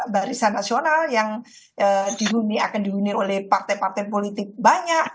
barisan nasional yang dihuni akan dihuni oleh partai partai politik banyak